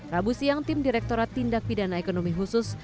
rabu siang tim direkturat tindak pidana ekonomi khusus